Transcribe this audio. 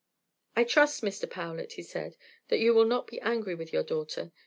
"I trust, Mr. Powlett," he said, "that you will not be angry with your daughter.